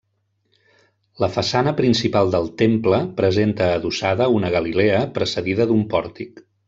La façana principal del temple presenta adossada una galilea precedida d'un pòrtic.